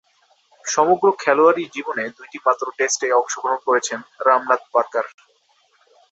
সমগ্র খেলোয়াড়ী জীবনে দুইটিমাত্র টেস্টে অংশগ্রহণ করেছেন রামনাথ পার্কার।